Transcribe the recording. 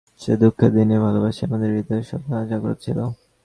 সেই দুঃখের দিনে এই ভালবাসাই আমাদের হৃদয়ে সদা জাগ্রত ছিল।